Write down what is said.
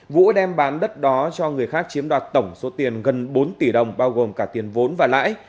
vũ đem bán đất đó cho người khác chiếm đoạt tổng số tiền gần bốn tỷ đồng bao gồm cả tiền vốn và lãi